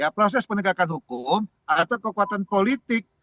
proses penegakan hukum atau kekuatan politik